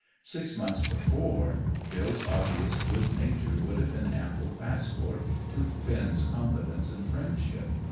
Six months before, Bill's obvious good nature would have been ample passport to Finn's confidence and friendship.